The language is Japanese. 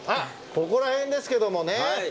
ここら辺ですけどもね。